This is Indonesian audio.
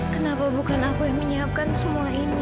kenapa bukan aku yang menyiapkan semua ini